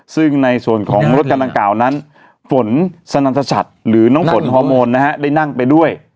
ซึ่งในส่วนของรถกันดังกล่าวนั้นฝนสนันทชัดหรือน้องฝนฮอร์โมนนะฮะได้นั่งไปด้วย